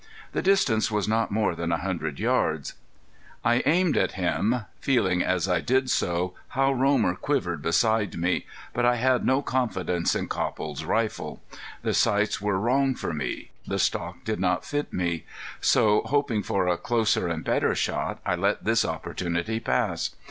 The distance was not more than a hundred yards. I aimed at him, feeling as I did so how Romer quivered beside me, but I had no confidence in Copple's rifle. The sights were wrong for me. The stock did not fit me. So, hoping for a closer and better shot, I let this opportunity pass.